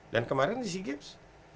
dan kemarin di cgaps